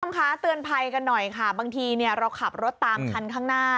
ต้องคะเตือนภัยกันหน่อยบางทีเราขับรถตามคันข้างหน้า